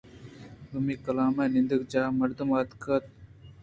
دومی کلام ءِ نندگ جاہ ءِ مردم اِدا اتک اَنت